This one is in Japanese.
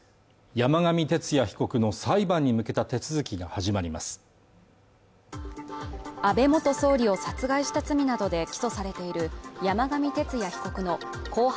山上徹也被告の裁判に向けた手続きが始まります安倍元総理を殺害した罪などで起訴されている山上徹也被告の公判